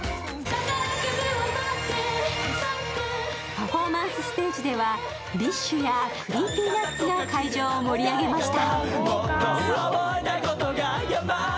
パフォーマンスステージではＢｉＳＨやＣｒｅｅｐｙＮｕｔｓが会場を盛り上げました。